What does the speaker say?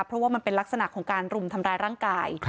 เพราะว่ามันเป็นลักษณะของการรุมทำร้ายร่างกาย